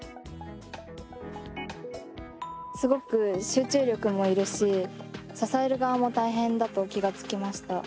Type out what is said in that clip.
すごく集中力もいるし支える側も大変だと気がつきました。